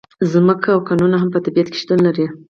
ځمکه او کانونه هم په طبیعت کې شتون لري.